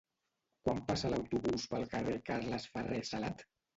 Quan passa l'autobús pel carrer Carles Ferrer Salat?